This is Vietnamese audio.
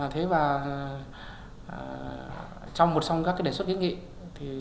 thế và trong một trong các đề xuất kiến nghị